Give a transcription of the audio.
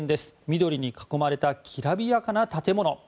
緑に囲まれたきらびやかな建物。